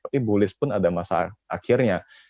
tapi bulis pun ada masa akhirnya